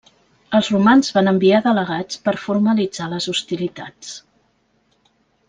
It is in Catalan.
Els romans van enviar delegats per a formalitzar les hostilitats.